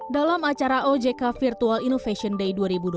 dalam acara ojk virtual innovation day dua ribu dua puluh